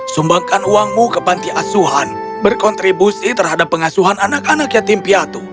sumbangkan uangmu ke panti asuhan berkontribusi terhadap pengasuhan anak anak yatim piatu